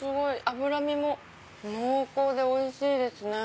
脂身も濃厚でおいしいですね。